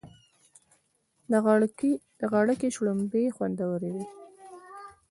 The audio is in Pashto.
د غړکی شلومبی خوندوری وی.